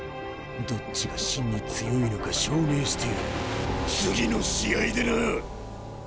どっちが真に強いのか証明してやる次の試合でな！